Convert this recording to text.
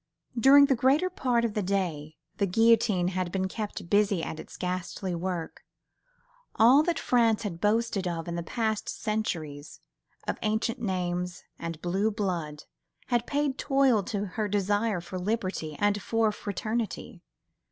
During the greater part of the day the guillotine had been kept busy at its ghastly work: all that France had boasted of in the past centuries, of ancient names, and blue blood, had paid toll to her desire for liberty and for fraternity.